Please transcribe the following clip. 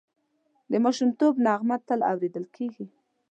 د ماشومتوب نغمه تل اورېدل کېږي